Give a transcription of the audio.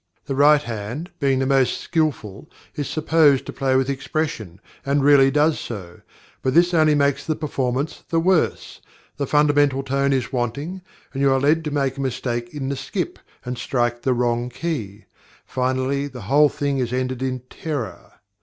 The right hand, being the most skilful, is supposed to play with expression, and really does so; but this only makes the performance the worse. The fundamental tone is wanting, and you are led to make a mistake in the skip, and strike the wrong key. Finally, the whole thing is ended in terror.